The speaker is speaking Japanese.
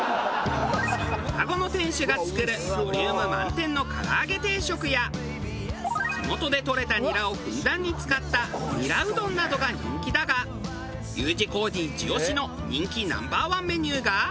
双子の店主が作るボリューム満点のからあげ定食や地元でとれたニラをふんだんに使ったニラうどんなどが人気だがＵ字工事イチ押しの人気Ｎｏ．１メニューが。